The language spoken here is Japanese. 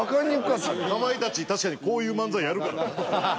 かまいたち確かにこういう漫才やるからな。